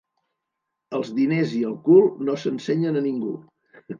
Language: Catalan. Els diners i el cul no s'ensenyen a ningú.